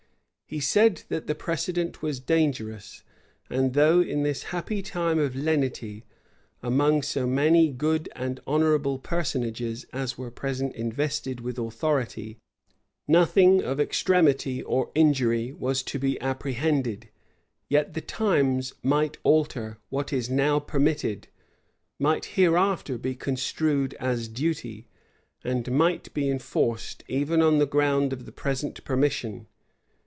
He said, that the precedent was dangerous; and though, in this happy time of lenity, among so many good and honorable personages as were at present invested with authority, nothing of extremity or injury was to be apprehended, yet the times might alter; what now is permitted, might hereafter be construed as duty, and might be enforced even on the ground of the present permission.